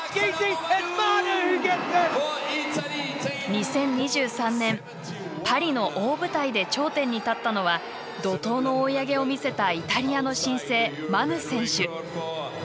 ２０２３年パリの大舞台で頂点に立ったのは怒とうの追い上げを見せたイタリアの新星、マヌ選手。